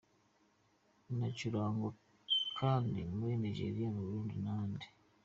Inacurangwa kandi muri Nigeriya, mu Burundi n’ahandi.